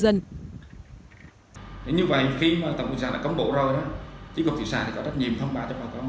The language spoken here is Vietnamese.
để như vậy khi tàu thuyền giám sát là cấm bộ rơi tỉ cục thủy sản có trách nhiệm thông báo cho bà con